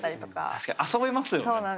確かに遊べますよね